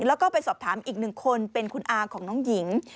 แล้วก็ไปสอบถามอีกหนึ่งคนเป็นคุณอาของน้องหญิง